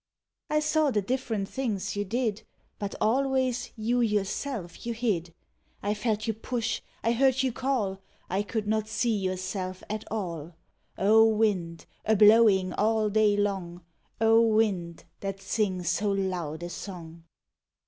I saw the different things you did, Hut alwavs you yourself vou hid. 1 felt you push, I heard you call, I could not see yourself at all — O wiud, a blowing all day long, O wind, that sings so loud a song!